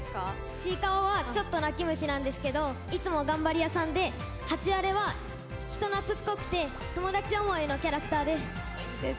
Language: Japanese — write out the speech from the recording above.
ちいかわはちょっとだけ泣き虫なんですけどいつも頑張り屋さんでハチワレは人懐っこくて友達思いのキャラクターです。